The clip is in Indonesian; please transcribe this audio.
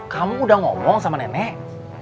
kamu udah ngomong sama nenek